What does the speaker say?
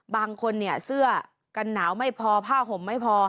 บางคนเนี่ยเสื้อกันหนาวไม่พอผ้าห่มไม่พอ